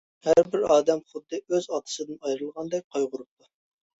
ھەر بىر ئادەم خۇددى ئۆز ئاتىسىدىن ئايرىلغاندەك قايغۇرۇپتۇ.